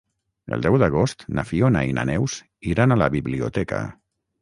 El deu d'agost na Fiona i na Neus iran a la biblioteca.